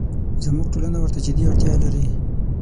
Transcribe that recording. زموږ ټولنه ورته جدي اړتیا لري.